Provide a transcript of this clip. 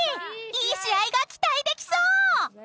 ［いい試合が期待できそう！］